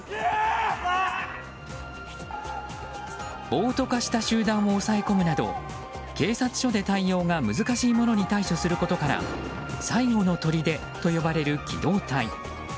暴徒化した集団を抑え込むなど警察署で対応が難しいものに対応することなどから最後のとりでと呼ばれる機動隊。